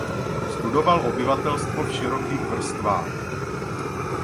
Studoval obyvatelstvo v širokých vrstvách.